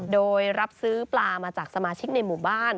โดยรับซื้อปลามาจากสมาชิกในหมู่บ้าน